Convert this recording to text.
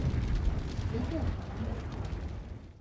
Әйҙә, барайыҡ...